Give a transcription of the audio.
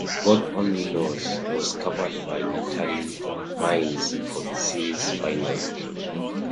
"God Only Knows" was covered by Natalie Maines for the series finale.